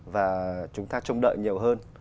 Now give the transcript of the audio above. và chúng ta trông đợi nhiều hơn